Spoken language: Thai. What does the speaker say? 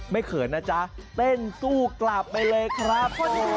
เขินนะจ๊ะเต้นสู้กลับไปเลยครับ